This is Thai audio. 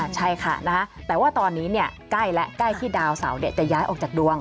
ใช่ค่ะแต่ว่าตอนนี้ใกล้แล้วใกล้ที่ดาวเสาจะย้ายออกจากดวง